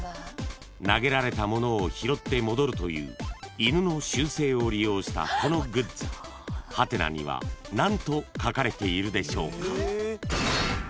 ［投げられた物を拾って戻るという犬の習性を利用したこのグッズ］［？には何と書かれているでしょうか？］